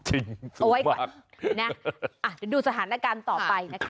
จริงสูงมากเอาไว้ก่อนนะอ่ะเดี๋ยวดูสถานการณ์ต่อไปนะคะ